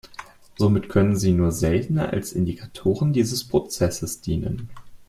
Somit können sie nur selten als Indikatoren dieses Prozesses dienen.